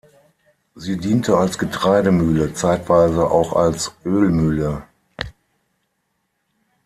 Sie diente als Getreidemühle, zeitweise auch als Ölmühle.